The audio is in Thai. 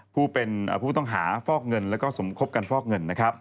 ผู้เป็นผู้ต้องหาฟอกเงินและสมคบการฟอกเงิน